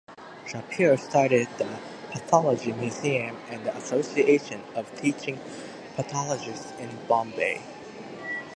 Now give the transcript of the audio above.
Gharpure started the Pathology Museum and the Association of Teaching Pathologists in Bombay.